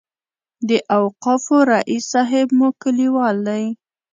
د اوقافو رئیس صاحب مو کلیوال دی.